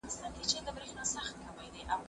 زه له سهاره انځورونه رسم کوم!!